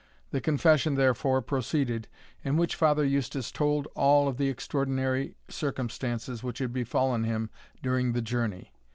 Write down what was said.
The confession, therefore, proceeded, in which Father Eustace told all the extraordinary circumstances which had befallen him during the journey.